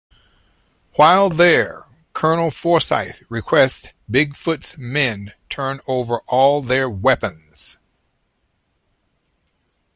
While there, Colonel Forsyth requests Big Foot's men turn over all their weapons.